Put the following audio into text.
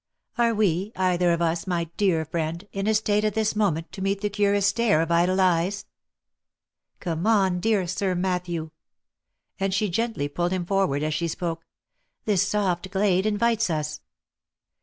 — Are we, either of us, my dear friend, in a state at this moment to meet the curious stare of idle eyes ?— Come on, dear Sir Matthew!" — and she gently pulled him forward as she spoke —" this soft glade invites us."